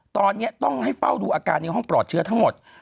ตอนนี้ต้องให้เฝ้าดูอาการในห้องปลอดเชื้อทั้งหมด